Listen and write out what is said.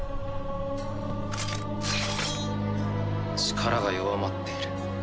力が弱まっている。